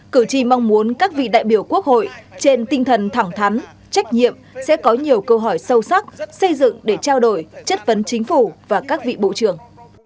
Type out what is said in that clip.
cử tri mong muốn các vị đại biểu quốc hội trên tinh thần thẳng thắn trách nhiệm sẽ có nhiều câu hỏi sâu sắc xây dựng để trao đổi chất vấn chính phủ và các vị bộ trưởng